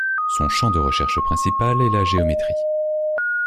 Son champ de recherche principal est la géométrie.